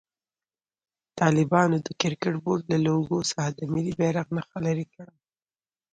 طالبانو د کرکټ بورډ له لوګو څخه د ملي بيرغ نخښه لېري کړه.